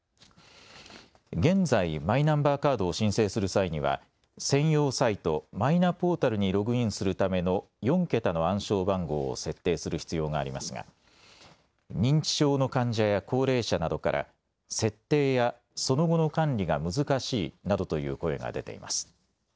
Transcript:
現在、マイナンバーカードを申請する際には専用サイト、マイナポータルにログインするための４桁の暗証番号を設定する必要がありますが、認知症の患者や高齢者などから設定やその後の管理が難しいなどという声が出ています。